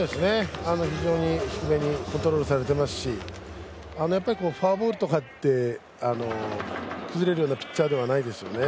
非常に低めにコントロールされていますしフォアボールとかで崩れるようなピッチャーではないですよね。